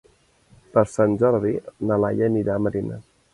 Per Sant Jordi na Laia anirà a Marines.